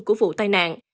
của vụ tai nạn